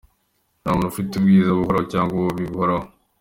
Nta muntu ufite ubwiza buhoraho cyangwa ububi buhoraho.